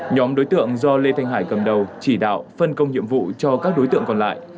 nhóm đối tượng do lê thanh hải cầm đầu chỉ đạo phân công nhiệm vụ cho các đối tượng còn lại